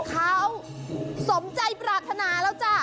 เขาสมใจปรารถนาแล้วจ้ะ